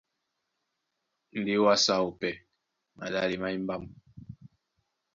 Ndé ó wásē áō pɛ́ maɗále má embám.